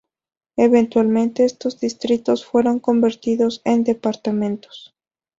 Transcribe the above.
Eventualmente estos distritos fueron convertidos en departamentos.